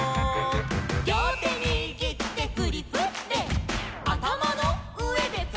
「りょうてにぎってフリフレ」「あたまのうえでフリフレ」